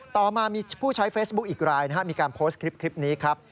ต่อมามีผู้ใช้เฟซบุ๊คอีกรายมีการโพสต์คลิปนี้ครับ